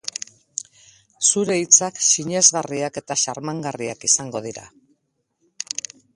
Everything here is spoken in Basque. Zure hitzak sinesgarriak eta xarmangarriak izango dira.